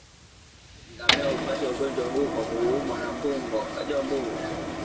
Ngamia hupata ugonjwa huu kwa kuumwa na mbungo